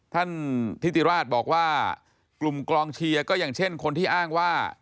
ท่านทิติราชบอกว่ากลุ่มกองเชียร์ก็อย่างเช่นคนที่อ้างว่า